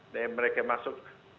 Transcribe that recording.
dan mereka masuk